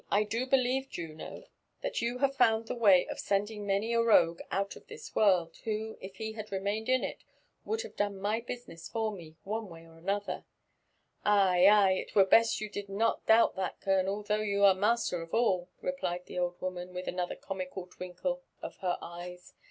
I do believe, Juno, that you have 159 UFB AND ADVENTURES OP found the way of sending many a rogue out of this world, who if he had remained in it, would have done my business for me, one way or another." " Ay, ay! it were best you did not doubt that, colonel, though you are master of all," replied the old woman, with another comical twinkle of her eyes.